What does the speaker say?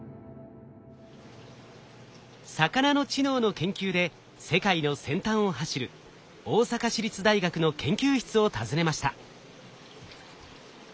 魚の知能の研究で世界の先端を走る大阪市立大学の研究室を訪ねました。